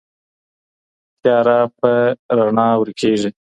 تياره په رڼا ورکېږي.